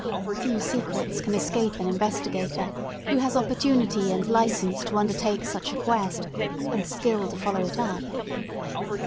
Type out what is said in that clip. Few secrets can escape an investigator, who has opportunity and licence to undertake such a quest, and skill to follow it up.